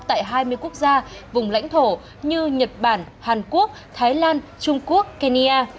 tại hai mươi quốc gia vùng lãnh thổ như nhật bản hàn quốc thái lan trung quốc kenya